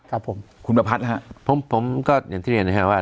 ครับผมคุณประพัทธ์ฮะผมผมก็อย่างที่เรียนนะครับว่า